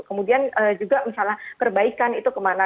kemudian juga misalnya perbaikan itu kemana